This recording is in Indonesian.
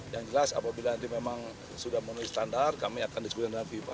yang jelas apabila nanti memang sudah menulis standar kami akan diskusikan dengan fifa